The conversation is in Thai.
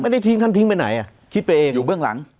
ทิ้งท่านทิ้งไปไหนอ่ะคิดไปเองอยู่เบื้องหลัง